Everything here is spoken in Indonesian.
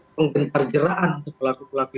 penggentar jeraan untuk pelaku pelaku